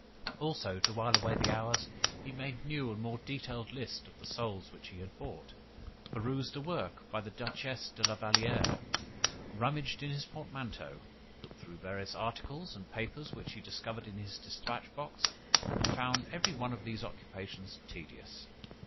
Also, to while away the hours, he made new and more detailed lists of the souls which he had bought, perused a work by the Duchesse de la Valliere , rummaged in his portmanteau, looked through various articles and papers which he discovered in his dispatch box, and found every one of these occupations tedious.